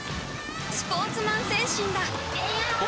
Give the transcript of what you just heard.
スポーツマン精神だ！